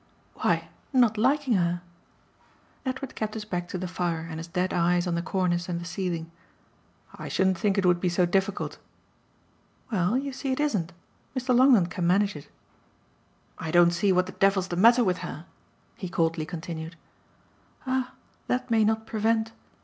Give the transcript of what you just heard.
"Why, not liking her." Edward kept his back to the fire and his dead eyes on the cornice and the ceiling. "I shouldn't think it would be so difficult." "Well, you see it isn't. Mr. Longdon can manage it." "I don't see what the devil's the matter with her," he coldly continued. "Ah that may not prevent